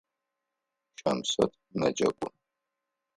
Щамсэт мэджэгу.